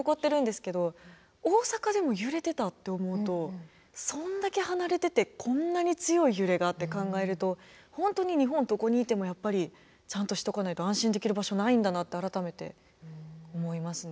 大阪でも揺れてたって思うとそんだけ離れててこんなに強い揺れがって考えると本当に日本どこにいてもやっぱりちゃんとしておかないと安心できる場所ないんだなって改めて思いますね。